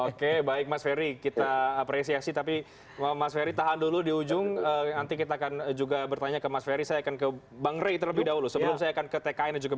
oke baik mas ferry kita apresiasi tapi mas ferry tahan dulu di ujung nanti kita akan juga bertanya ke mas ferry saya akan ke bang ray terlebih dahulu sebelum saya akan ke tkn dan juga